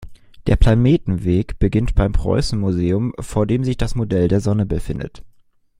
Der Planetenweg beginnt beim Preußen-Museum, vor dem sich das Modell der Sonne befindet.